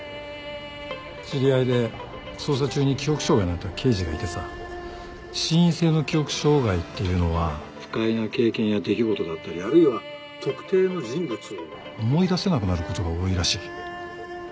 知り合いで捜査中に記憶障害になった刑事がいてさ心因性の記憶障害っていうのは不快な経験や出来事だったりあるいは特定の人物を思い出せなくなることが多いらしい。